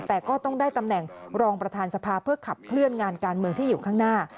แต่ก็ต้องได้ตำแหน่งรองประธานสภาเพื่อขับเคลื่อนงานการเมืองที่อยู่ข้างหน้า